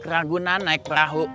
ranggunan naik perahu